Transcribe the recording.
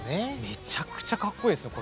めちゃくちゃかっこいいですよ。